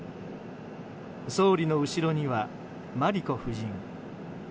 総理の後ろには真理子夫人。